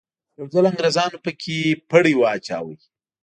یو ځل انګریزانو په کې پړی واچاوه.